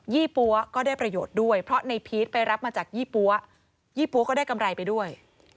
ี่ปั๊วก็ได้ประโยชน์ด้วยเพราะในพีชไปรับมาจากยี่ปั๊วยี่ปั๊วก็ได้กำไรไปด้วย